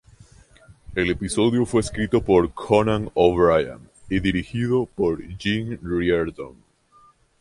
El episodio fue escrito por Conan O'Brien y dirigido por Jim Reardon.